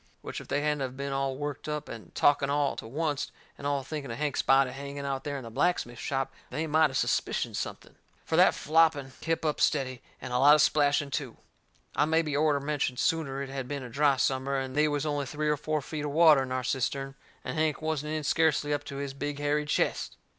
Which if they hadn't of been all worked up and talking all to oncet and all thinking of Hank's body hanging out there in the blacksmith shop they might of suspicioned something. For that flopping kep' up steady, and a lot of splashing too. I mebby orter mentioned sooner it had been a dry summer and they was only three or four feet of water in our cistern, and Hank wasn't in scarcely up to his big hairy chest.